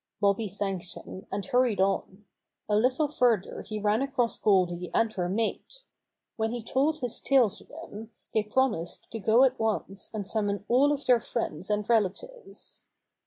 Bobby thanked him, and hurried on. A lit tle further he ran across Goldy and her mate. When he told his tale to them, they promised to go at once and summon all of their friends and relatives.